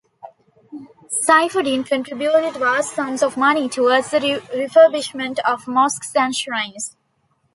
Saifuddin contributed vast sums of money to towards the refurbishment of mosques and shrines.